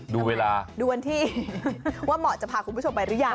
ดูเวลาดูวันที่ว่าเหมาะจะพาคุณผู้ชมไปหรือยัง